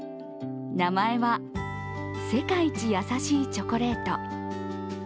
名前は、世界一やさしいチョコレート。